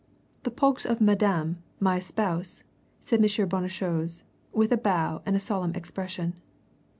"The pogs of Madame, my spouse," said M. Bonnechose, with a bow and a solemn expression.